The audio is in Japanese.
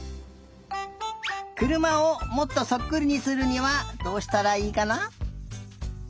くるまをもっとそっくりにするにはどうしたらいいかな？